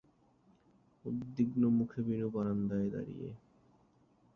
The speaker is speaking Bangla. উদ্বিগ্ন মুখে বিনু বারান্দায় দাঁড়িয়ে।